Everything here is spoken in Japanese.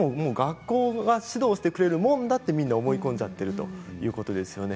学校が指導してくれるものだとみんな思い込んでしまっているということなんですね。